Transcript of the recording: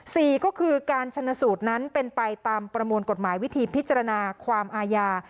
สี่ก็คือการชนสูตรนั้นเป็นไปตามประมวลกฎหมายวิธีพิจารณาความอาญา